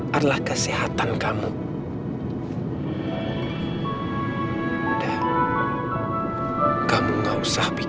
karena yang paling penting adalah untuk kamu karena aku harus siap kehilangan itu